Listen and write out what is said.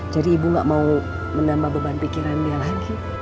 jadi ibu gak mau menambah beban pikiran dia lagi